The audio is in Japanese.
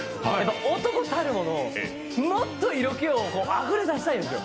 男たるもの、もっと色気をあふれ出したいですよ。